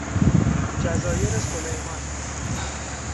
جزایرسلیمان